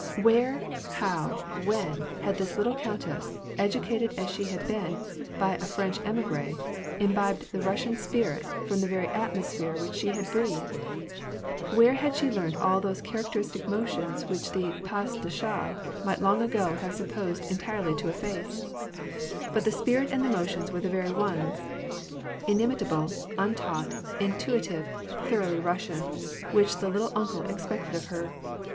Where, how, when, had this. little countess, educated as she had been by a French emigree^ imbibed the Eussian spirit from the very atmosphere which she had breathed ? Where had she learned all those characteristic motions which the pas de chdle might long ago have been supposed entirely to efface ? But the spirit and the motions were the very ones — inimita ble, untaught, intuitive, thoroughly Russian — which the '* lit tle uncle " expected of her.